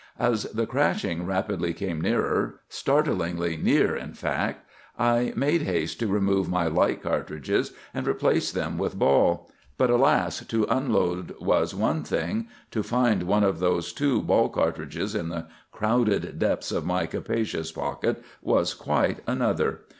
"As the crashing rapidly came nearer,—startlingly near, in fact,—I made haste to remove my light cartridges and replace them with ball. But, alas! to unload was one thing, to find one of those two ball cartridges in the crowded depths of my capacious pocket was quite another.